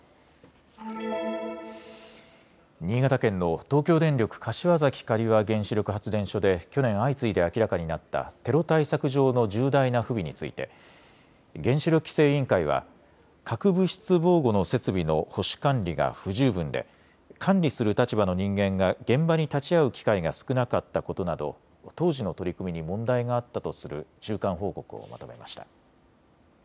新潟県の東京電力柏崎刈羽原子力発電所で去年、相次いで明らかになったテロ対策上の重大な不備について原子力規制委員会は核物質防護の設備の保守管理が不十分で管理する立場の人間が現場に立ち会う機会が少なかったことなど当時の取り組みに問題があったとする中間報告をまとめました。